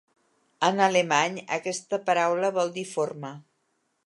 En alemany, aquesta paraula vol dir "forma".